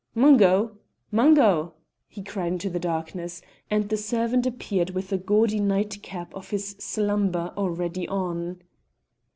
"Mungo, Mungo!" he cried into the darkness, and the servant appeared with the gaudy nightcap of his slumber already on.